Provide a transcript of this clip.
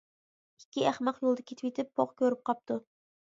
ئىككى ئەخمەق يولدا كېتىۋېتىپ پوق كۆرۈپ قاپتۇ.